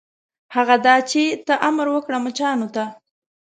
هغه دا چې ته امر وکړه مچانو ته.